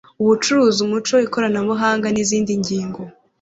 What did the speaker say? ubucuruzi umuco ikoranabuhanga nizindi ngingo